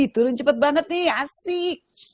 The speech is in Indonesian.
turun cepat banget nih asik